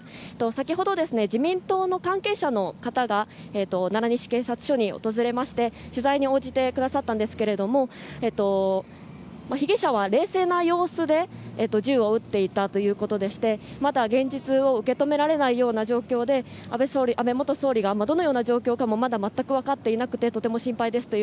先ほど、自民党の関係者の方が奈良西警察署に訪れまして取材に応じてくださったんですけども被疑者は冷静な様子で銃を撃っていたということでしてまだ現実を受け止められないような状況で安倍元総理がどのような状況かもまだ全く分かっていなくてとても心配ですと